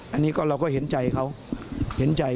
อันนี้ก็เราก็เห็นใจเขาเห็นใจ